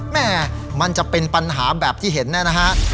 แม่มันจะเป็นปัญหาแบบที่เห็นเนี่ยนะฮะ